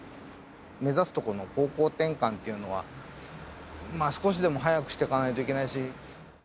目指すところの方向転換というのは、少しでも早くしていかないといけないし。